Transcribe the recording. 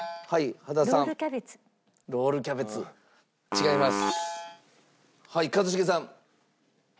違います。